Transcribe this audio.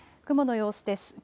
雲の様子です。